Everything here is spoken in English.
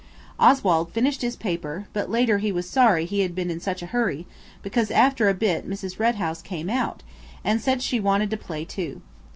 Oswald finished his paper, but later he was sorry he had been in such a hurry, because after a bit Mrs. Red House came out, and said she wanted to play too.